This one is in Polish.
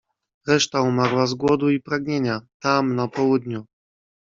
"Reszta umarła z głodu i pragnienia, tam, na południu."